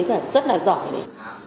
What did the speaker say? rất là giỏi